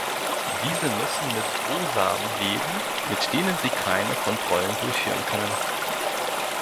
Diese müssen mit Brosamen leben, mit denen sie keine Kontrollen durchführen können.